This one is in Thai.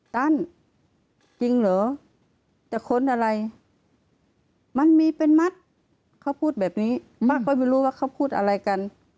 ท่านจริงเหรอจะค้นอะไรมันมีเป็นมัดเขาพูดแบบนี้ป้าก็ไม่รู้ว่าเขาพูดอะไรกัน